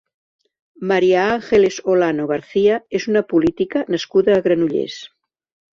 María Ángeles Olano García és una política nascuda a Granollers.